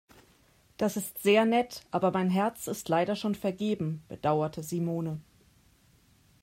Das ist sehr nett, aber mein Herz ist leider schon vergeben, bedauerte Simone.